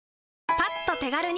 パッと手軽に！